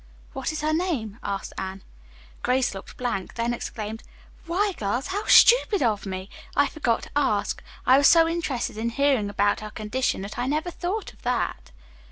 "What is her name?" asked Anne. Grace looked blank, then exclaimed: "Why, girls, how stupid of me! I forgot to ask. I was so interested in hearing about her condition that I never thought of that."